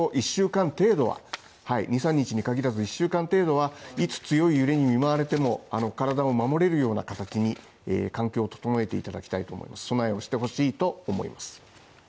１週間程度は二、三日に限らず１週間程度はいつ強い揺れに見舞われても、体を守れるような形に環境を整えていただきたいと備えをしてほしいと思います。